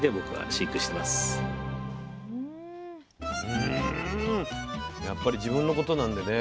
うんやっぱり自分のことなんでね